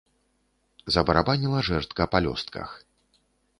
Забарабаніла жэрдка па лёстках.